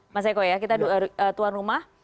mas eko ya kita tuan rumah